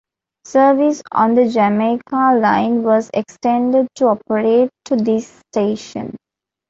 Service on the Jamaica Line was extended to operate to this station.